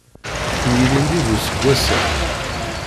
N yilindi d useggas-a.